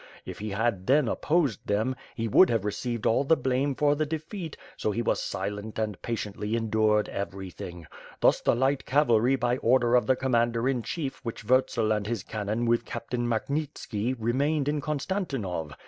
' If he had then opposed them, he would have received all the blame for the defeat, so he was silent and patiently endured everything. Thus, the light caval'7 by order of the commander in chief with Vurtsel and his cannon with Captain Makhnitski, remained in Konstanti nov.